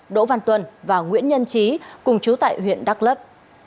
đỗ văn tuân và nguyễn nhân trí cùng chú tại huyện đắk lấp